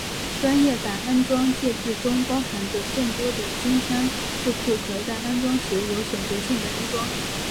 专业版安装介质中包含着众多的金山字库可在安装时有选择性的安装。